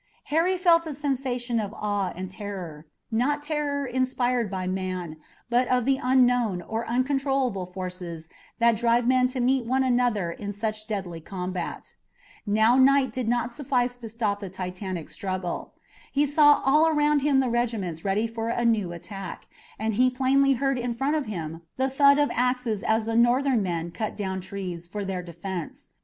Harry felt a sensation of awe and terror, not terror inspired by man, but of the unknown or uncontrolled forces that drive men to meet one another in such deadly combat. Now night did not suffice to stop the titanic struggle. He saw all around him the regiments ready for a new attack, and he plainly heard in front of him the thud of axes as the Northern men cut down trees for their defense.